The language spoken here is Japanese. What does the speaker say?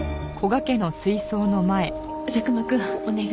佐久間くんお願い。